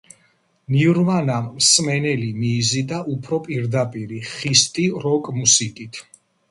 ნირვანამ მსმენელი მიიზიდა უფრო პირდაპირი, ხისტი როკ მუსიკით.